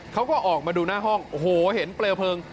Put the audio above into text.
เขาก็ออกมาดูหน้าห้องโอ้โหเห็นเปลวเพลิง